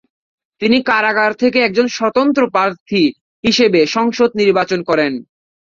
তিনি কারাগার থেকে একজন স্বতন্ত্র প্রার্থী হিসেবে সংসদ নির্বাচন করেন।